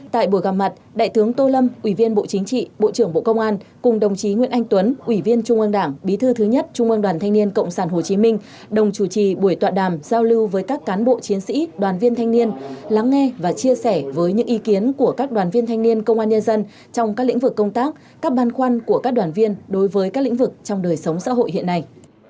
tại buổi gặp mặt đại tướng tô lâm ủy viên bộ chính trị bộ trưởng bộ công an cùng đồng chí nguyễn anh tuấn ủy viên trung ương đảng bí thư thứ nhất trung ương đoàn thanh niên cộng sản hồ chí minh đồng chủ trì buổi toạn đàm giao lưu với các cán bộ chiến sĩ đoàn viên thanh niên lắng nghe và chia sẻ với những ý kiến của các đoàn viên thanh niên công an nhân dân trong các lĩnh vực công tác các băn khoăn của các đoàn viên đối với các lĩnh vực trong đời sống xã hội hiện nay